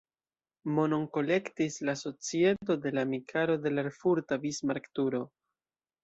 Monon kolektis la Societo de la amikaro de la erfurta Bismarck-turo.